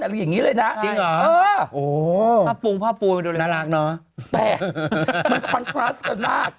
อะไรอย่างนี้เลยนะจริงเหรอเออภาพปูนภาพปูนน่ารักเนอะแปลกมันควันครัสกันมาก